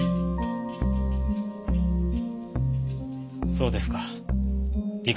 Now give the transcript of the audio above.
そうですか。